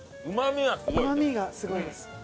うまみがすごいです。